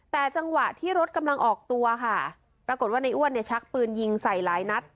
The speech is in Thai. แต่จังหวะที่รถกำลังออกตัวค่ะปรากฏว่าในอ้วนเนี่ยชักปืนยิงใส่หลายนัด